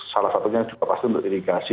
salah satunya juga pasti untuk irigasi